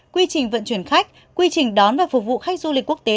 quy trình vận chuyển khách quy trình đón và phục vụ khách du lịch quốc tế